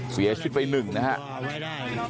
เสียชิดไปหนึ่งนะครับ